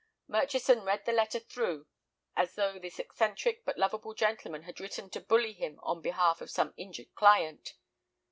Murchison read the letter through as though this eccentric but lovable gentleman had written to bully him on behalf of some injured client.